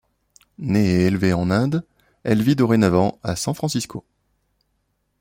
Née et élevée en Inde, elle vit dorénavant à San Francisco.